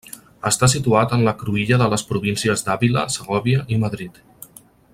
Està situat en la cruïlla de les províncies d'Àvila, Segòvia i Madrid.